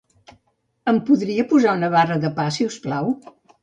Em podríeu posar una barra de pa, si us plau?